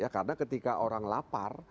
karena ketika orang lapar